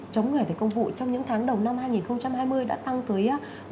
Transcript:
chống người thi hành công vụ trong những tháng đầu năm hai nghìn hai mươi đã tăng tới